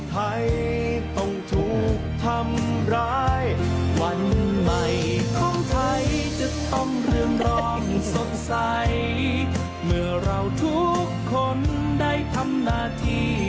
ต้องรักชาติต้องรักษากันเอาไว้